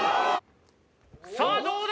さあどうだ？